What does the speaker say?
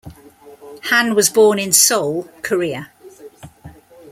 Han was born in Seoul, Korea.